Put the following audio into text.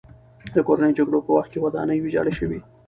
د کورنیو جګړو په وخت کې ودانۍ ویجاړه شوې.